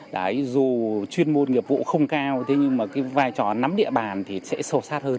đấy dù chuyên môn nghiệp vụ không cao thế nhưng mà cái vai trò nắm địa bàn thì sẽ sâu sát hơn